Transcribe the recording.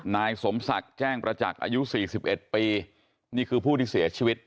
นายสมศักดิ์แจ้งประจักษ์อายุ๔๑ปีนี่คือผู้ที่เสียชีวิต